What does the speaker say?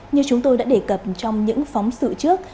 như chúng tôi đã đề cập trong những phóng sự trước